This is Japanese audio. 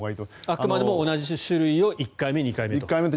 あくまでも同じ種類を１回目と２回目と。